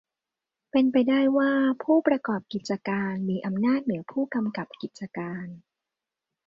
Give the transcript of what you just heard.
เป็นไปได้ว่าผู้ประกอบกิจการมีอำนาจเหนือผู้กำกับกิจการ